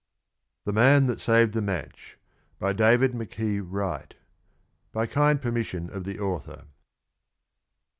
THE MAN THAT SAVED THE MATCH. BY DAVID M'KEE WRIGHT. (_By kind permission of the Author.